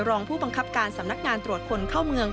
รองผู้บังคับการสำนักงานตรวจคนเข้าเมือง